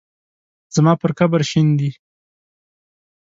زما پر قبر شیندي